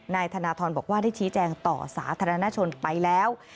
นายธนทรบอกว่าได้ชี้แจงต่อสาธารณชนไปแล้ว